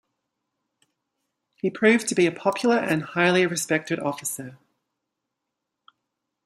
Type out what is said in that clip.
He proved to be a popular and highly respected officer.